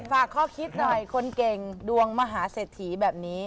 ฝากข้อคิดหน่อยคนเก่งดวงมหาเศรษฐีแบบนี้